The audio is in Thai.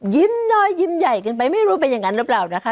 ยิ้มน้อยยิ้มใหญ่กันไปไม่รู้เป็นอย่างนั้นหรือเปล่านะคะ